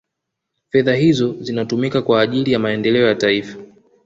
fedha hizo zinatumika kwa ajili ya maendeleo ya taifa